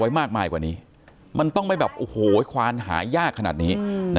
มากมายกว่านี้มันต้องไม่แบบโอ้โหควานหายากขนาดนี้